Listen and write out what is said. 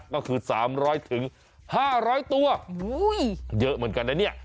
ก็คือ๓๐๐๕๐๐ตัวเยอะเหมือนกันนะเนี่ย